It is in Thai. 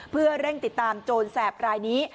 เพื่อเร่งติดตามโจรแสบรายนี้